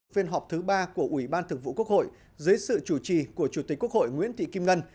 phiên họp thứ ba của ủy ban thượng vụ quốc hội dưới sự chủ trì của chủ tịch quốc hội nguyễn thị kim ngân